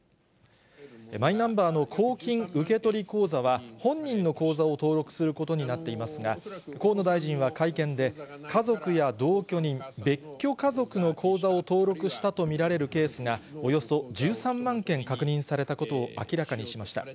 マイナンバーの公金受取口座は、本人の口座を登録することになっていますが、河野大臣は会見で、家族や同居人、別居家族の口座を登録したと見られるケースがおよそ１３万件確認されたことを明らかにしました。